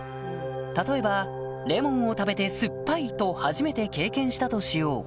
例えばレモンを食べて「酸っぱい」と初めて経験したとしよう